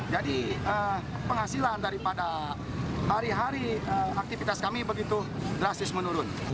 jadi penghasilan daripada hari hari aktivitas kami begitu drastis menurun